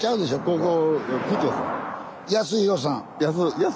ここ。